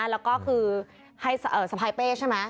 แล้วก็คือให้สะพายเป้ใช่ไหม